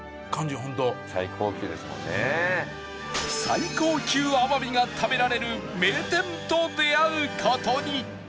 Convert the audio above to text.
最高級アワビが食べられる名店と出会う事に